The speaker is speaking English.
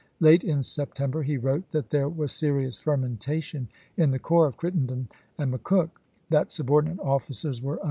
Late in September he wrote that there \m3Jiseq.' was serious fermentation in the corps of Crittenden voi. xxx., and McCook; that subordinate officers were un pp.